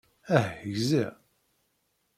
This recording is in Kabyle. Ah, gziɣ.